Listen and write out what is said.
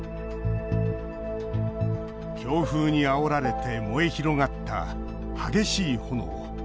強風にあおられて燃え広がった激しい炎。